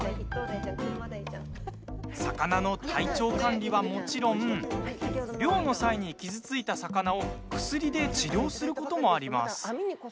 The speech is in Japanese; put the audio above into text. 魚の体調管理は、もちろん漁の際に傷ついた魚を薬で治療することもあります。